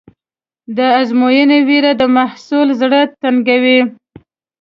د ازموینې وېره د محصل زړه تنګوي.